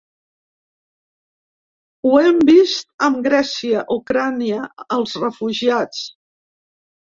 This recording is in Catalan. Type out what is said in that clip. Ho hem vist amb Grècia, Ucraïna, els refugiats.